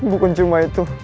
bukan cuma itu